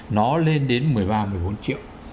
nó lên đến một mươi ba một mươi bốn triệu